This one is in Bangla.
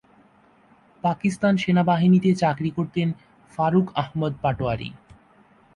পাকিস্তান সেনাবাহিনীতে চাকরি করতেন ফারুক আহমদ পাটোয়ারী।